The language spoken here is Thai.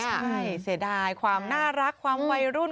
ใช่เสียดายความน่ารักความวัยรุ่น